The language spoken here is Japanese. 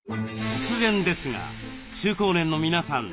突然ですが中高年の皆さん